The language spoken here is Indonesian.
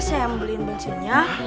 saya yang beliin bensinnya